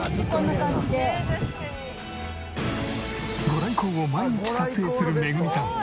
御来光を毎日撮影するめぐみさん。